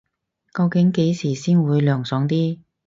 究竟幾時先會涼爽啲